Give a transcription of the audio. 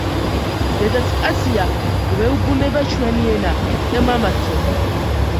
„დედაც კაცია, – გვეუბნება ჩვენი ენა, – და მამაცაო.“